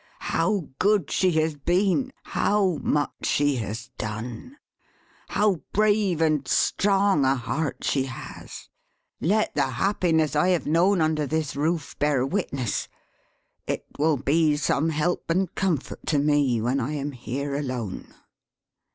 How good she has been; how much she has done; how brave and strong a heart she has; let the happiness I have known under this roof bear witness! It will be some help and comfort to me, when I am here alone."